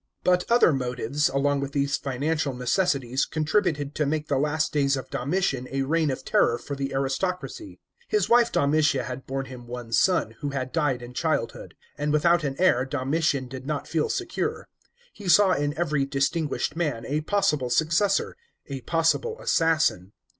§ 18. but other motives along with these financial necessities contributed to make the last dajs of Domitian a reign of terror for the aristocracy. His wife Domitia had borne him one son, who had died in childhood ; and without an heir Domitian did not feel secure. He saw in every distinguished man a possible successor, a possible assassin.